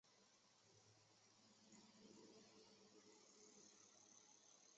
德语成为独立语言的历史是中古时代早期高地德语子音推移发生后开始的。